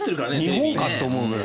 日本かって思うぐらい。